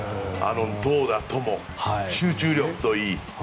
投打とも、集中力といい。